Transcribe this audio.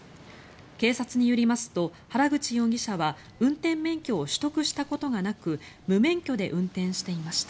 警察によりますと原口容疑者は運転免許を取得したことがなく無免許で運転していました。